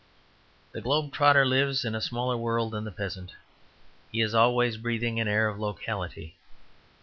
The globe trotter lives in a smaller world than the peasant. He is always breathing, an air of locality.